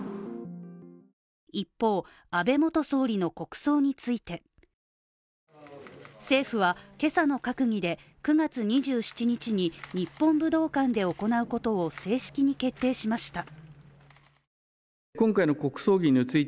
一方、安倍元総理の国葬について政府は今朝の閣議で９月２７日に日本武道館で行うことを正式に決定しました。